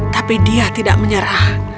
tapi dia tidak menyerah